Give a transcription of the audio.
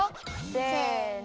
せの。